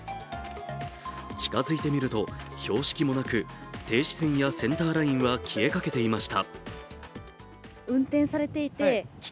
近づいてみると標識もなく、停止線やセンターラインは消えかけていました。